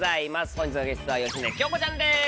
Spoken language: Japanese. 本日のゲストは芳根京子ちゃんです。